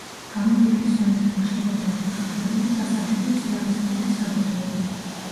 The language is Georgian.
გამოფიტვის ზონასთან ხშირადაა დაკავშირებული სასარგებლო წიაღისეულის საბადოები.